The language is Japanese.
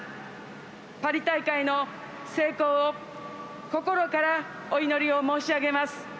パリ大会の成功を心からお祈りを申し上げます。